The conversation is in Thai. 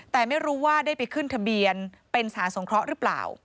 แต่ไม่รู้ว่าได้ไปขึ้นทะเบียนเป็นสถานสงเคราะห์หรือเปล่า